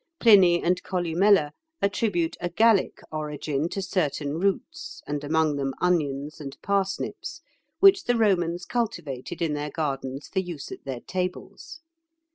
Pliny and Columella attribute a Gallic origin to certain roots, and among them onions and parsnips, which the Romans cultivated in their gardens for use at their tables.